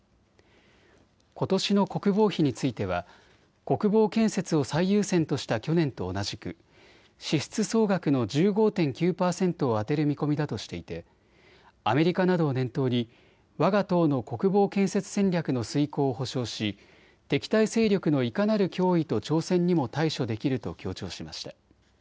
ことしの国防費については国防建設を最優先とした去年と同じく支出総額の１５．９％を充てる見込みだとしていて、アメリカなどを念頭にわが党の国防建設戦略の遂行を保証し、敵対勢力のいかなる脅威と挑戦にも対処できると強調しました。